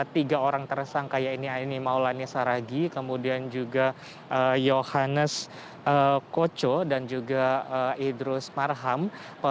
tiga orang tersangka ya ini maulani saragi kemudian juga johannes kocco dan juga idrus marham